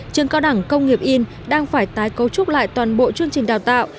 trường cao đẳng công nghiệp yên đang phải tái cấu trúc lại toàn bộ chương trình đào tạo